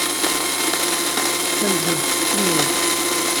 Tameddurt tettkemmil.